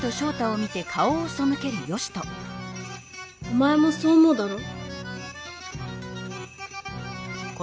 おまえもそう思うだろ？